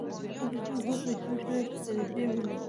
کله چې اوبه په جوش راشي درجه یې ولیکئ.